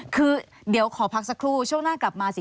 คือเดี๋ยวขอพักสักครู่ช่วงหน้ากลับมาสิ